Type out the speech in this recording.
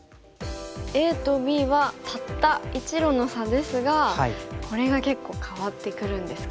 ＡとＢはたった１路の差ですがこれが結構変わってくるんですかね。